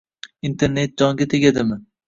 Internet jonga tegmadimi?